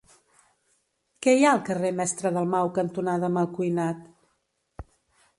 Què hi ha al carrer Mestre Dalmau cantonada Malcuinat?